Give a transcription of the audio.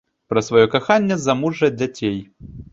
Пра сваё каханне, замужжа, дзяцей.